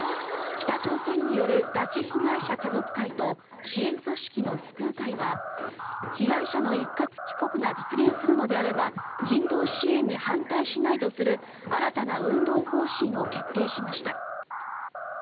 北朝鮮による拉致被害者家族会と支援組織の救う会は被害者の一括帰国が実現するのであれば人道支援に反対しないとする新たな運動方針を決定しました。